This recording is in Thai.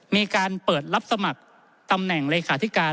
มีการเปิดรับสมัครตำแหน่งเลขาธิการ